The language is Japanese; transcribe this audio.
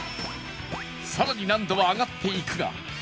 さらに難度は上がっていくが